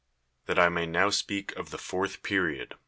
That I may now speak of the fourth perio<l.